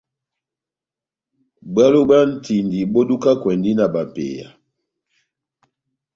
Bwalo bwa ntindi bó dukakwɛndi na bapeya.